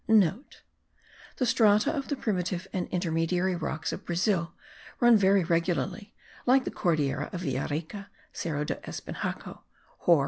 *(* The strata of the primitive and intermediary rocks of Brazil run very regularly, like the Cordillera of Villarica (Serra do Espinhaco) hor.